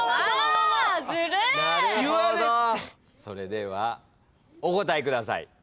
それではお答えください。